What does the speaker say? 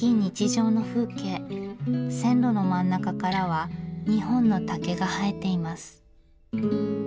線路の真ん中からは２本の竹が生えています。